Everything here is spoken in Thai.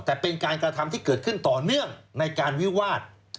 แต่เป็นการกระทำที่เกิดขึ้นต่อเนื่องในการวิวาส